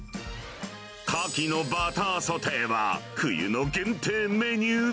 カキのバターソテーは、冬の限定メニュー。